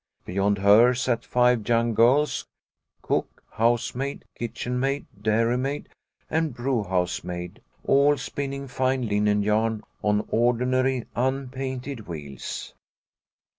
Beyond her sat five young girls cook, house maid, kitchenmaid, dairymaid, and brewhouse maid all spinning fine linen yarn on ordinary, unpainted wheels.